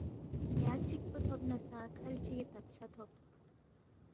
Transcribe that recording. یا چکپو تھوب نہ سا کھل چیگی تب سا تھوب۔